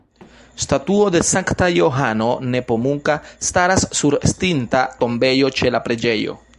Statuo de Sankta Johano Nepomuka staras sur estinta tombejo ĉe la preĝejo.